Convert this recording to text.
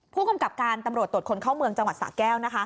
ผู้กำกับการตำรวจตรวจคนเข้าเมืองจังหวัดสะแก้ว